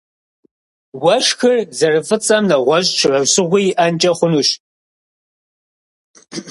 Уэшхыр зэрыфӀыцӀэм нэгъуэщӀ щхьэусыгъуи иӀэнкӀэ хъунущ.